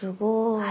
はい。